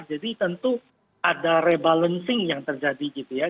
jadi tentu ada rebalancing yang terjadi gitu ya